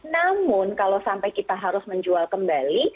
namun kalau sampai kita harus menjual kembali